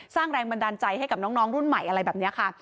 แรงบันดาลใจให้กับน้องรุ่นใหม่อะไรแบบนี้ค่ะ